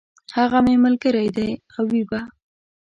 هغه مي ملګری دی او وي به !